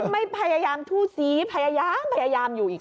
ไม่พยายามทู่ซีพยายามพยายามอยู่อีก